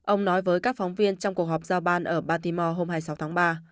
ông nói với các phóng viên trong cuộc họp giao ban ở batimo hôm hai mươi sáu tháng ba